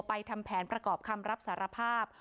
ทำแผนประกอบคำรับสารภาพ